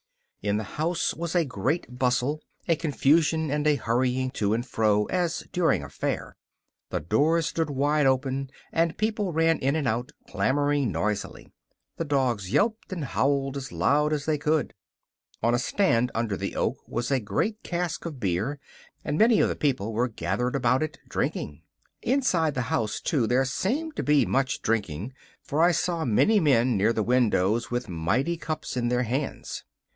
In the house was a great bustle a confusion and a hurrying to and fro, as during a fair. The doors stood wide open, and people ran in and out, clamouring noisily. The dogs yelped and howled as loud as they could. On a stand under the oak was a great cask of beer, and many of the people were gathered about it, drinking. Inside the house, too, there seemed to be much drinking, for I saw many men near the windows with mighty cups in their hands.